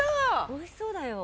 美味しそうだよ。